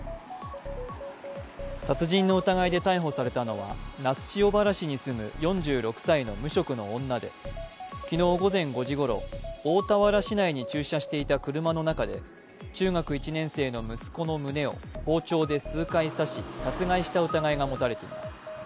殺人の疑いで逮捕されたのは、那須塩原市に住む４６歳の無職の女で昨日午前５時ごろ、大田原市内に駐車していた車の中で中学１年生の息子の胸を包丁で数回刺し、殺害した疑いが持たれています。